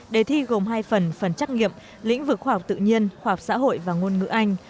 đề thi gồm hai phần phần trắc nghiệm lĩnh vực khoa học tự nhiên khoa học xã hội và ngôn ngữ anh